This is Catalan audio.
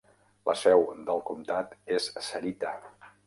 La seu del comtat és Sarita.